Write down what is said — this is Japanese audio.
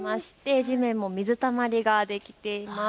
地面も水たまりができています。